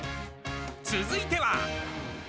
続いては。